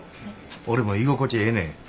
俺も居心地ええねん。